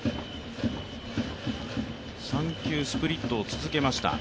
３球スプリットを続けました。